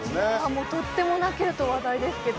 もうとっても泣けると話題ですけど